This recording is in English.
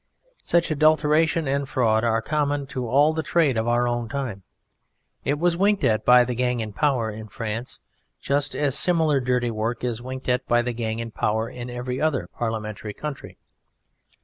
Such adulteration and fraud are common to all the trade of our own time. It was winked at by the gang in power in France, just as similar dirty work is winked at by the gang in power in every other parliamentary country.